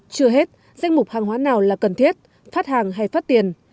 chưa hết danh mục hàng hóa nào là cần thiết phát hàng hay phát tiền